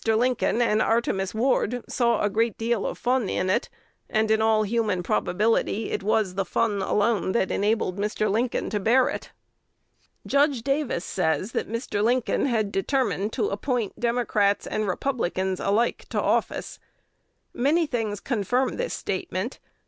Lincoln and Artemus Ward saw a great deal of fun in it; and in all human probability it was the fun alone that enabled Mr. Lincoln to bear it. Judge Davis says that Mr. Lincoln had determined to appoint "Democrats and Republicans alike to office." Many things confirm this statement. Mr.